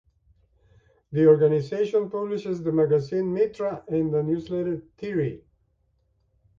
The organisation publishes the magazine "Mitra" and the newsletter "Tiri".